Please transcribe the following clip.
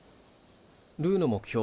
ルーの目標